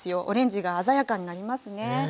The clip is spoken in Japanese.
オレンジが鮮やかになりますね。